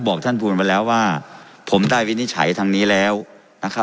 ท่านภูมิไปแล้วว่าผมได้วินิจฉัยทางนี้แล้วนะครับ